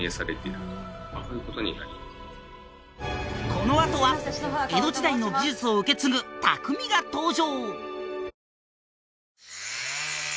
このあとは江戸時代の技術を受け継ぐ匠が登場